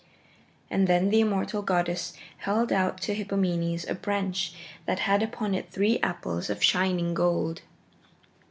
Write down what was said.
And then the immortal goddess held out to Hippomenes a branch that had upon it three apples of shining gold.